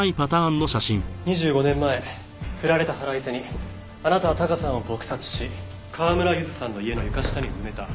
２５年前振られた腹いせにあなたはタカさんを撲殺し川村ゆずさんの家の床下に埋めた。